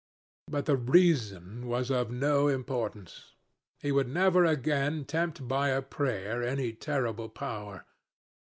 But the reason was of no importance. He would never again tempt by a prayer any terrible power.